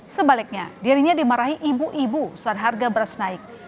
sebaliknya dirinya dimarahi ibu ibu saat harga beras naik